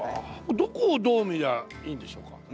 どこをどう見りゃいいんでしょうか？